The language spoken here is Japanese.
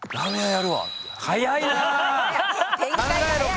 早いなぁ。